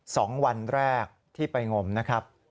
สองวันแรกที่ไปงมนะครับ